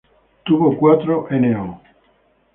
Tuvo cuatro No.